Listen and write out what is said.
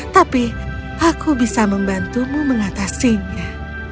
tapi aku bisa membantumu mengatasinya